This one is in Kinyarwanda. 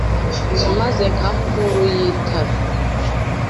umeze nka mpuru y’itara.